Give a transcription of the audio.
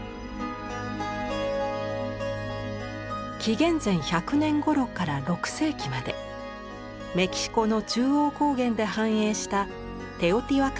紀元前１００年ごろから６世紀までメキシコの中央高原で繁栄したテオティワカン文明。